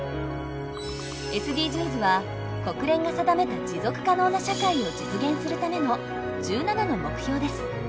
ＳＤＧｓは国連が定めた持続可能な社会を実現するための１７の目標です。